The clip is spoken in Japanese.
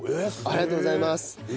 ありがとうございます。